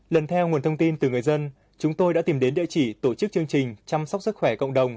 lần theo nguồn thông tin từ người dân chúng tôi đã tìm đến địa chỉ tổ chức chương trình chăm sóc sức khỏe cộng đồng